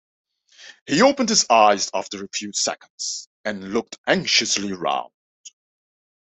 He opened his eyes after a few seconds, and looked anxiously round.